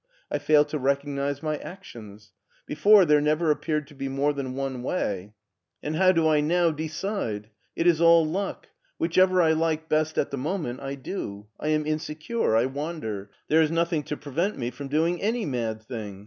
I fail to recognize my actions. Before, there never ap peared to be more than one way. And how do I now ia8 MARTIN SCHULER decide? It is all luck; whichever I like best at the moment I do. I am insecure. I wander. There is nothing to prevent me from doing any mad thing.